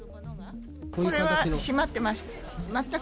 これはしまってました。